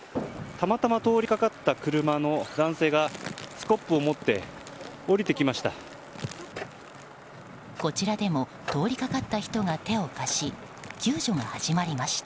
たまたま通りかかった車の男性がスコップを持って降りてきました。